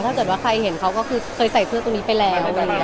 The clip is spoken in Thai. ถ้าเกิดว่าใครเห็นเขาก็คือเคยใส่เสื้อตรงนี้ไปแล้ว